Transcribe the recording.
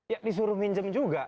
ya disuruh minjem juga